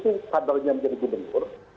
sebagai pengusul kadalnya menjadi gubernur